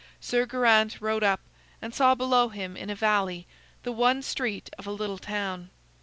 Sir Geraint rode up, and saw below him, in a valley, the one street of a little town.